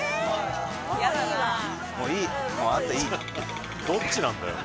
もういいわどっちなんだよ